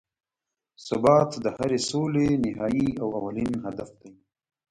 ثبات د هرې سولې نهایي او اولین هدف دی.